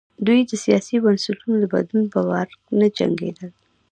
دوی د سیاسي بنسټونو د بدلون په پار نه جنګېدل.